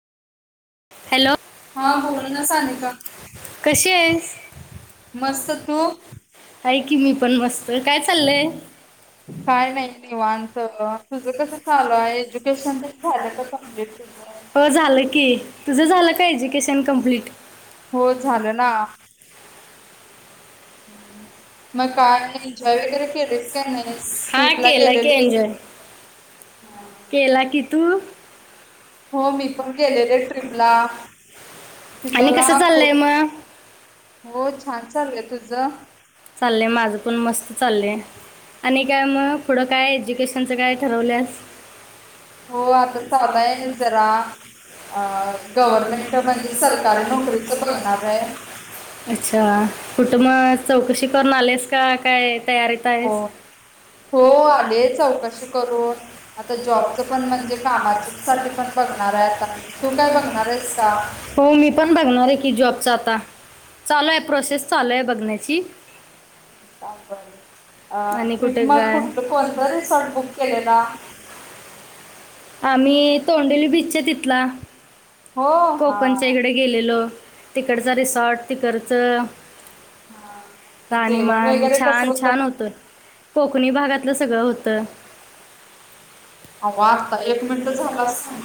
Hello हा बोल ना सानिका मस्त तू...... काय नाही निवांत तुझं कस चालय एज्युकेशन झालं का कमप्लीट तुझ? तुझं झालं का एज्युकेशन कंप्लीट? हो झालं ना हम्म.. हा केलं क एन्जॉय केला की तू म आणि कस चाललंय मग चाललंय माझं पण मस्त [unintelligible] चालय आणि काय मग पुढं काय एज्युकेशनचं काय ठरवल्यास.... हो आता चालय [unintelligible] जरा... सरकारी नोकरीच बघणार आहे अच्छा कुठं म चौकशी करून आलेस का? काय तयारीत आहेस हो आले चौकशी करून [unintelligible] जॉब ण म्हणजे कामासाठी पण बग... हो मी पण बघणार आहे की जॉबचा आता... चालू आहे प्रोसेस चालू आहे बघण्याची का पण? अ ट्रिप मग कुठ कोणत रिसॉर्ट बुक केलेला? आम्ही तोंडेली बीचच्या तिथला कोकणच्या इकडे गेलेलो तिकडचं रिसॉर्ट तिकडचं राहणीमान छान छान होत कोकणी भागातलं सगळं होत... आग आत्ता...... एक मिनिटच झाला सांग...